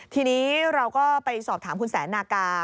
ทีนี้เราก็ไปสอบถามคุณแสนนากา